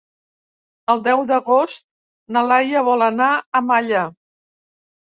El deu d'agost na Laia vol anar a Malla.